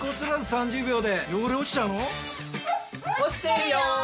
落ちてるよ！